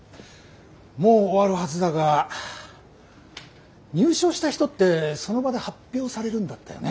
もう終わるはずだが入賞した人ってその場で発表されるんだったよね。